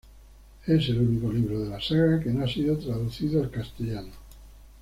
Es el único libro de la saga que no ha sido traducido al castellano.